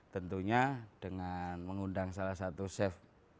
tentunya dengan mengundang salah satu chef